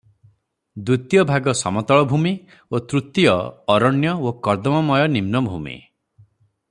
ଦ୍ୱିତୀୟ ଭାଗ ସମତଳଭୂମି ଏବଂ ତୃତୀୟ ଅରଣ୍ୟ ଓ କର୍ଦ୍ଦମମୟ ନିମ୍ନଭୂମି ।